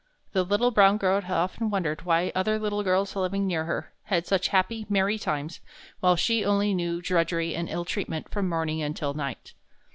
The little brown girl often wondered why other little girls living near her had such happy, merry times while she knew only drudgery and ill treatment from morning until night.